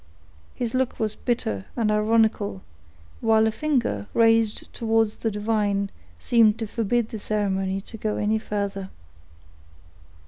His look was bitter and ironical, while a finger, raised towards the divine, seemed to forbid the ceremony to go any further.